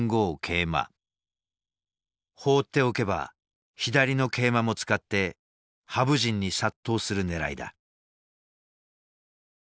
放っておけば左の桂馬も使って羽生陣に殺到するねらいだ。